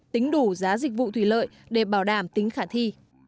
tính đủ giá dịch vụ thủy lợi để bảo đảm tính khả thi